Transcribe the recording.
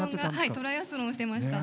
トライアスロンしてました。